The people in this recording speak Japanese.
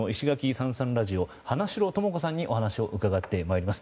サンサンラジオ花城智子さんにお話を伺ってまいります。